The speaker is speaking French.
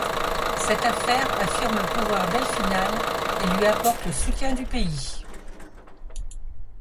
Cette affaire affirme le pouvoir delphinal et lui apporte le soutien du pays.